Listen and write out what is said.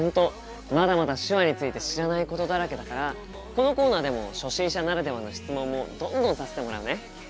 まだまだ手話について知らないことだらけだからこのコーナーでも初心者ならではの質問もどんどんさせてもらうね。